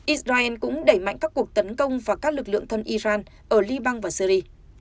israel cũng đẩy mạnh các cuộc tấn công vào các lực lượng thân iran ở liban và syri